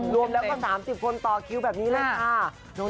รวมแล้วก็๓๐คนต่อคิวแบบนี้เลยค่ะ